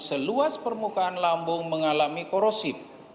seluas permukaan lambung mengalami korosip